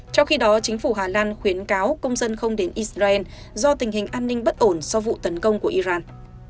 trong khi đó chính phủ hà lan khuyến cáo công dân không đến israel do tình hình an ninh bất ổn sau vụ tấn công của iran